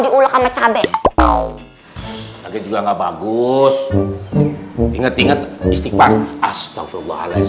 diulang sama cabe kau lagi juga enggak bagus inget inget istighfar astagfirullahaladzim